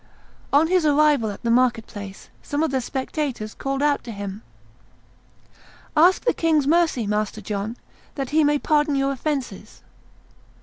On his arrival at the market place, some of the spectators called out to him, "Ask the king's mercy, Master John, that he may pardon your offences."